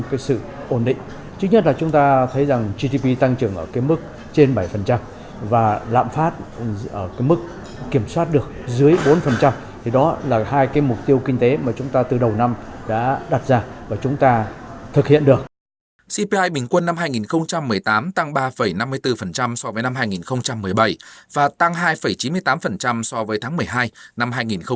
cpi bình quân năm hai nghìn một mươi tám tăng ba năm mươi bốn so với năm hai nghìn một mươi bảy và tăng hai chín mươi tám so với tháng một mươi hai năm hai nghìn một mươi bảy